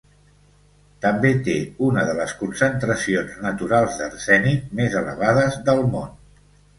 També té una de les concentracions naturals d'arsènic més elevades del món.